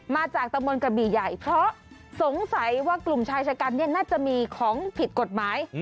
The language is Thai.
ตะมนต์กระบี่ใหญ่เพราะสงสัยว่ากลุ่มชายชะกันเนี่ยน่าจะมีของผิดกฎหมาย